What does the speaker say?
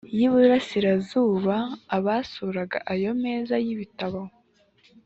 y i burasirazuba abasuraga ayo meza y ibitabo